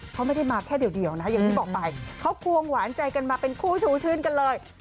เขาไม่ได้มาแค่เดียวนะอย่างที่บอกไปเขาควงหวานใจกันมาเป็นคู่ชูชื่นกันเลย